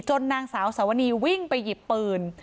นางสาวสวนีวิ่งไปหยิบปืน